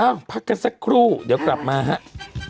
พักกันสักครู่เดี๋ยวกลับมาครับ